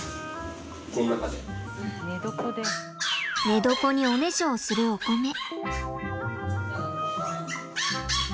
寝床におねしょをするおこめ。